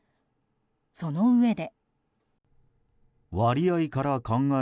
そのうえで。